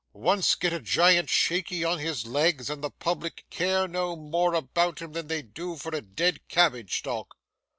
'Once get a giant shaky on his legs, and the public care no more about him than they do for a dead cabbage stalk.